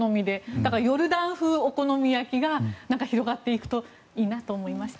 だから、ヨルダン風お好み焼きがなんか広がっていくといいなと思いました。